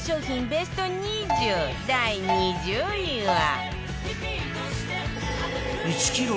ベスト２０第２０位は